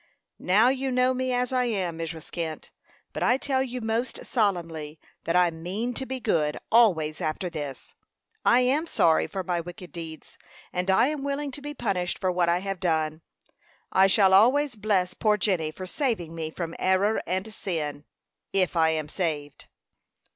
"Now you know me as I am, Mrs. Kent; but I tell you most solemnly, that I mean to be good always after this. I am sorry for my wicked deeds, and I am willing to be punished for what I have done. I shall always bless poor Jenny for saving me from error and sin if I am saved."